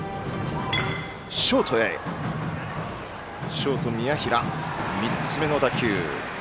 ショート、宮平３つ目の打球。